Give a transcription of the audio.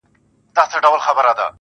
چي تا په گلابي سترگو پرهار پکي جوړ کړ.